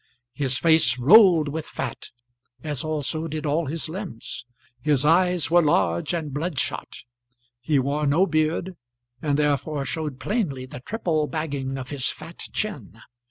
His face rolled with fat, as also did all his limbs. His eyes were large, and bloodshot. He wore no beard, and therefore showed plainly the triple bagging of his fat chin.